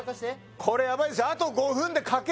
これやばいですよ